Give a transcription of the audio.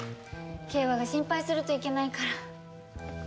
景和が心配するといけないから。